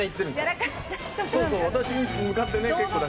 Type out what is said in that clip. そうそう私に向かって。